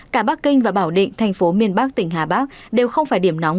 cả bắc kinh và bảo định thành phố miền bắc tỉnh hà bắc đều không phải điểm nóng